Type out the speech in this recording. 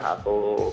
atau filipina sendiri